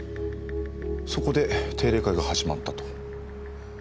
そこで定例会が始まったと。